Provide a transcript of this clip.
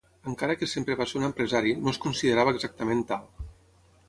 Encara que sempre va ser un empresari, no es considerava exactament tal.